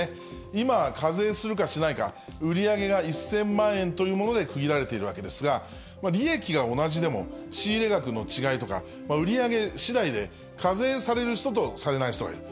今、課税するかしないか、売り上げが１０００万円というもので区切られているわけですが、利益が同じでも、仕入れ額の違いとか、売り上げしだいで、課税される人とされない人がいる。